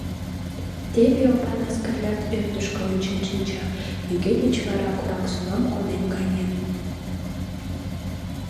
Теве Опанас Кырлят ӧрдыжкӧ ончен шинча — нигӧ деч вара Корак-Солам коден каен.